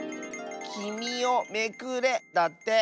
「きみをめくれ」だって。